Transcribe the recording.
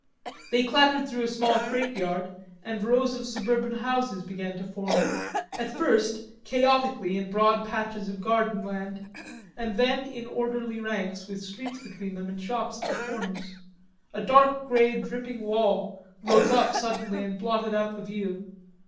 They clattered through a small freight yard, and rows of suburban houses began to form, at first chaotically in broad patches of garden land, and then in orderly ranks with streets between and shops at the corners. A dark grey dripping wall rose up suddenly and blotted out the view.